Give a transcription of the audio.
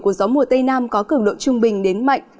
của gió mùa tây nam có cường độ trung bình đến mạnh